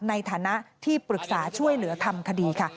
ในฐานะที่ปรึกษาช่วยเหลือทำคดีค่ะ